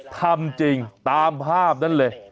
ทำจริงตามภาพนั้นเลย